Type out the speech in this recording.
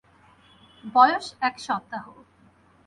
বয়স এক সপ্তাহ।